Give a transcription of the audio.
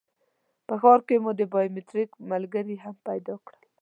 په ښار کې مو د بایومټریک ملګري هم پیدا کړل.